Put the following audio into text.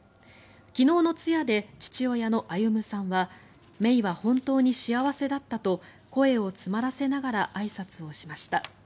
昨日の通夜で父親の歩さんは芽生は本当に幸せだったと声を詰まらせながらあいさつをしました。